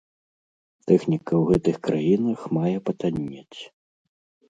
Тэхніка ў гэтых краінах мае патаннець.